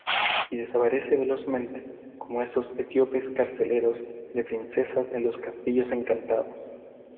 y desaparece velozmente, como esos etíopes carceleros de princesas en los castillos encantados.